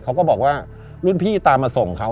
เขาก็บอกว่ารุ่นพี่ตามมาส่งเขา